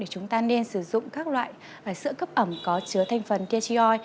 thì chúng ta nên sử dụng các loại sữa cấp ẩm có chứa thành phần kto